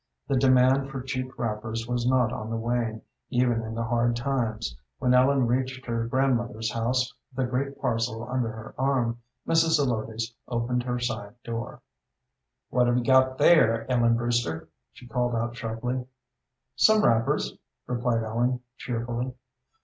The demand for cheap wrappers was not on the wane, even in the hard times. When Ellen reached her grandmother's house, with a great parcel under her arm, Mrs. Zelotes opened her side door. "What have you got there, Ellen Brewster?" she called out sharply. "Some wrappers," replied Ellen, cheerfully.